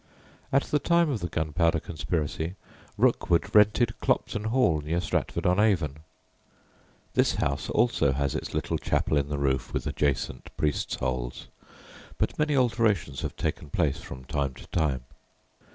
At the time of the Gunpowder Conspiracy Rookwood rented Clopton Hall, near Stratford on Avon. This house also has its little chapel in the roof with adjacent "priests' holes," but many alterations have taken place from time to time.